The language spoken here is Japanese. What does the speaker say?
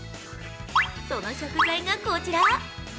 その食材が、こちら。